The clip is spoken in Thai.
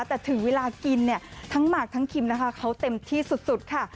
แต่ถึงเวลากินเนี่ยทั้งหมากทั้งคิมนะคะเขาเต็มที่สุดค่ะ